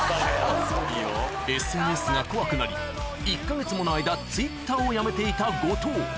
ＳＮＳが怖くなり１か月もの間Ｔｗｉｔｔｅｒをやめていた後藤